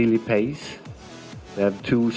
ada pemain yang sangat bergegas